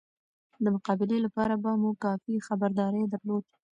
د مقابله لپاره به مو کافي خبرداری درلود.